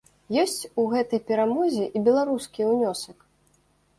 Ёсць у гэтай перамозе і беларускі ўнёсак.